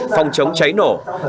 phòng chống cháy nổ